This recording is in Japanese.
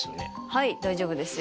はい大丈夫ですよ。